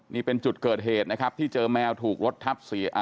นี่เป็นจุดเกิดเหตุนะครับที่เจอแมวถูกรถทับเสีย